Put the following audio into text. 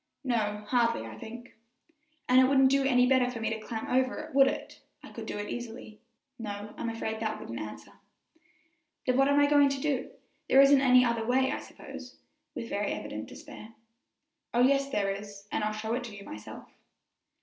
"No, hardly, I think," "And it wouldn't do any better for me to climb over it, would it? I could do it easily." "No, I'm afraid that wouldn't answer." "Then, what are we going to do? There isn't any other way, I suppose," with very evident despair. "Oh, yes, there is, and I'll show it to you myself."